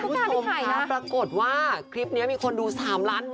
เฮ้ยกูกล้าไม่ถ่ายนะคุณผู้ชมครับปรากฏว่าคลิปนี้มีคนดู๓ล้านเมล